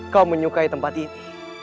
kau menyukai tempat ini